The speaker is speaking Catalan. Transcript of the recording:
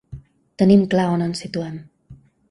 Tenim clar on ens situem.